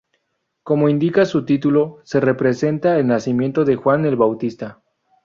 Como indica su título, se representa el nacimiento de Juan el Bautista.